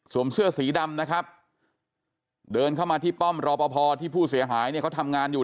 เสื้อสีดำนะครับเดินเข้ามาที่ป้อมรอปภที่ผู้เสียหายเนี่ยเขาทำงานอยู่